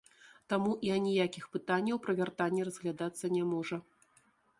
Таму і аніякіх пытанняў пра вяртанне разглядацца не можа.